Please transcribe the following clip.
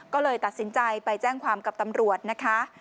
ก็เลยตัดสินใจไปแจ้งความกับตำรวจนะคะ